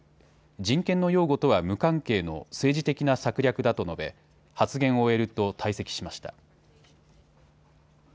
人権の擁護とは無関係の政治的な策略だと述べ発言を終えると退席しました。